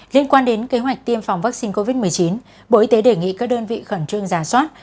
liên quan đến kế hoạch tiêm phòng vaccine covid một mươi chín bộ y tế đề nghị các đơn vị khẩn trương giả soát